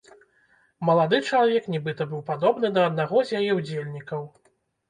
Малады чалавек нібыта быў падобны на аднаго з яе ўдзельнікаў.